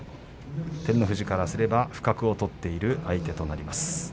照ノ富士からすれば不覚を取っている相手となります。